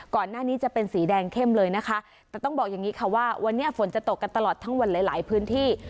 ก่อนหน้านี้จะเป็นสีแดงเข้มเลยนะคะแต่ต้องบอกอย่างนี้ค่ะว่าวันนี้ฝนจะตกกันตลอดทั้งวันหลายหลายพื้นที่